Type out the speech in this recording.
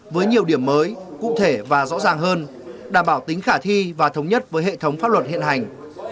với nhiều điểm mới cụ thể và rõ ràng hơn đảm bảo tính khả thi và thống nhất với hệ thống pháp luật hiện hành